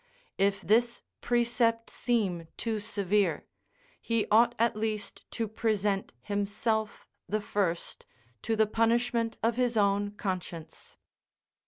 If this precept seem too severe, he ought at least to present himself the first, to the punishment of his own conscience.